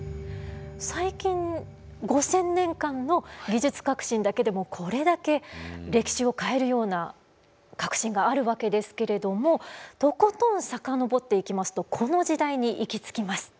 最近５，０００年間の技術革新だけでもこれだけ歴史を変えるような革新があるわけですけれどもとことん遡っていきますとこの時代に行き着きます。